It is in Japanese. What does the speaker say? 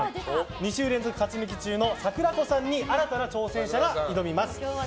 ２週連続勝ち抜き中のさくらこさんに新たな挑戦者が挑みます。